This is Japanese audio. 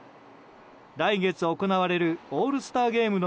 来月行われるオールスターゲームの